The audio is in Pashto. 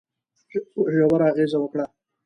ژوره اغېزه وکړه.